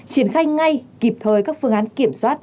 triển khai ngay kịp thời các phương án kiểm soát